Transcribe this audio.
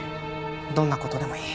どんな事でもいい。